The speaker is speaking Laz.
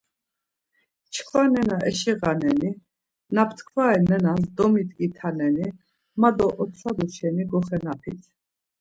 Çkva nena eşiğaneni, na ptkvare nenas domidgitaneni ma do otsadu şeni goxenapit.